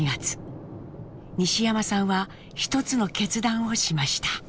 西山さんは一つの決断をしました。